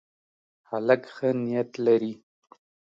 هلک ښه نیت لري.